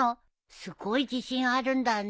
すごい自信あるんだね。